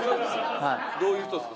どういう人ですか？